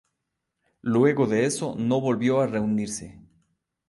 Luego de eso no volvió a reunirse.